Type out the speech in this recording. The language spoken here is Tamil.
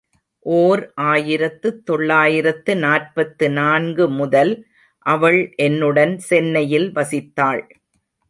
ஓர் ஆயிரத்து தொள்ளாயிரத்து நாற்பத்து நான்கு முதல் அவள் என்னுடன் சென்னையில் வசித்தாள்.